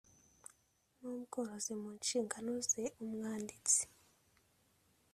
n ubworozi mu nshingano ze umwanditsi